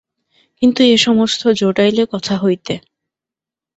কিন্তু এ-সমস্ত জোটাইলে কোথা হইতে?